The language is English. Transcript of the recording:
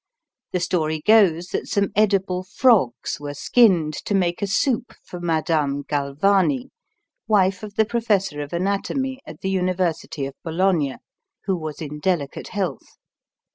The story goes that some edible frogs were skinned to make a soup for Madame Galvani, wife of the professor of anatomy in the University of Bologna, who was in delicate health.